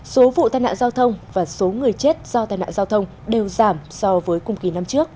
số vụ tai nạn giao thông và số người chết do tai nạn giao thông đều giảm so với cùng kỳ năm trước